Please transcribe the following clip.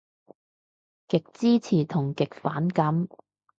極支持同極反感